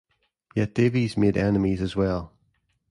Yet Davies made enemies as well.